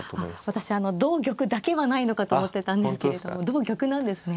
私同玉だけはないのかと思ってたんですけれども同玉なんですね。